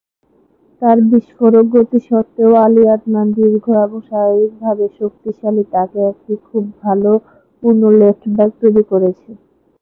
তার বিস্ফোরক গতি সত্ত্বেও, আলী আদনান দীর্ঘ এবং শারীরিকভাবে শক্তিশালী, তাকে একটি খুব ভাল পূর্ণ লেফট ব্যাক তৈরী করেছে।